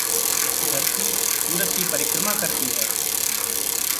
धरती सूरज की परिक्रमा करती है।